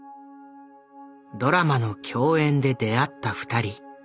ドラマの共演で出会った２人。